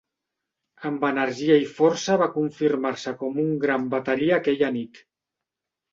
Amb energia i força va confirmar-se com un gran bateria aquella nit.